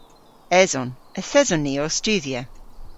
Eson. Yth eson ni ow studhya.